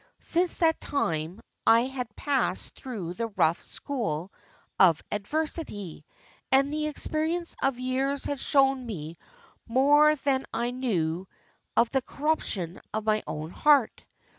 Since that time, I had passed through the rough school of adversity, and the experience of years had shown me more than I then knew of the corruption of my own heart.